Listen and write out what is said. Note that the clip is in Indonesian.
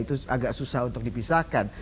itu agak susah untuk dipisahkan